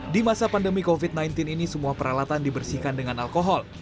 di masa pandemi covid sembilan belas ini semua peralatan dibersihkan dengan alkohol